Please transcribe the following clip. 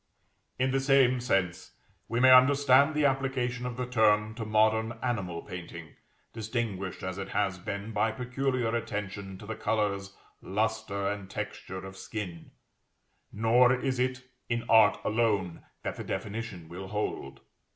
In the same sense we may understand the application of the term to modern animal painting, distinguished as it has been by peculiar attention to the colors, lustre, and texture of skin; nor is it in art alone that the definition will hold.